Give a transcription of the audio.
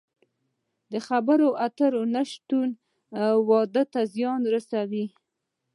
د خبرو اترو نشتوالی واده ته زیان رسوي.